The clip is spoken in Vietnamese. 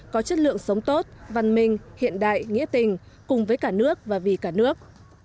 có chất lượng sống tốt văn minh hiện đại nghĩa tình cùng với cả nước và vì cả nước